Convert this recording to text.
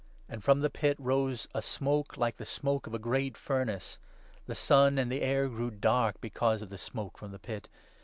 507 from the pit rose a smoke like the smoke of a great furnace. The sun and the air grew dark because of the smoke from the pit.